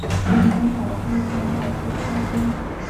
我们找地方要喝咖啡